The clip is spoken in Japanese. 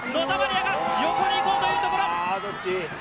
耶が横に行こうというところ。